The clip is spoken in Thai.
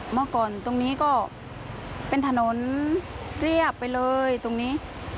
เมื่อก่อนตรงนี้ก็เป็นถนนเรียบไปเลยตรงนี้